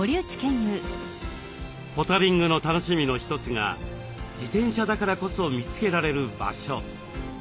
ポタリングの楽しみの一つが自転車だからこそ見つけられる場所。